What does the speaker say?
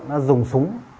nó dùng súng